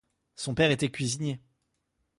Son père était cuisinier.